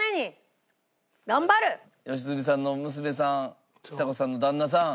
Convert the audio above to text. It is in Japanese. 良純さんの娘さんちさ子さんの旦那さん。